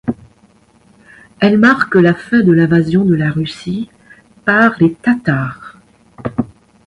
Elle marque la fin de l'invasion de la Russie par les Tatars.